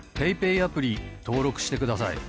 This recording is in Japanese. アプリ登録してください